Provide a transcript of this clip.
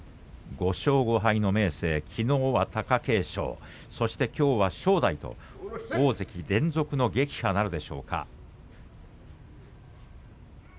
５勝５敗の明生にきのうは貴景勝きょうは正代と大関連続の撃破なるか。